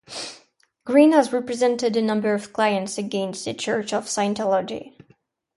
Greene has represented a number of clients against the Church of Scientology.